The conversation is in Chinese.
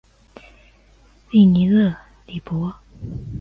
利尼勒里博。